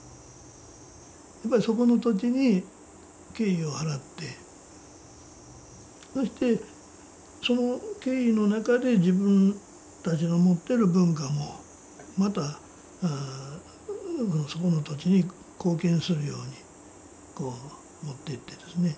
そこの土地に敬意を払ってそしてその敬意の中で自分たちの持ってる文化もまたそこの土地に貢献するようにもってってですね。